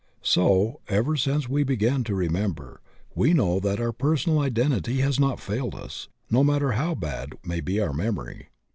So, ever since we began to remember, we know that our personal identity has not failed us, no matter how bad may be our memory.